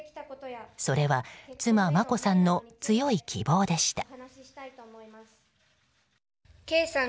それは妻・眞子さんの強い希望でした。